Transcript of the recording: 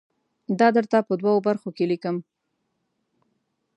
دا درته په دوو برخو کې لیکم.